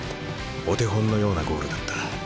お手本のようなゴールだった。